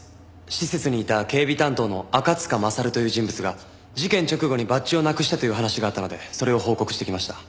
施設にいた警備担当の赤塚勝という人物が事件直後にバッジをなくしたという話があったのでそれを報告してきました。